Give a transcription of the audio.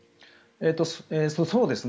そうですね。